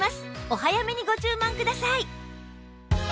お早めにご注文ください